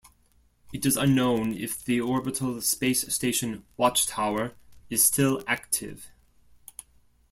It is unknown if the orbital space station Watchtower is still active.